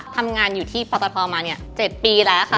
ทำงานอยู่ที่ปตทมา๗ปีแล้วค่ะ